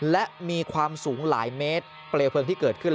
และมีความสูงหลายเมตรเปลวเพลิงที่เกิดขึ้น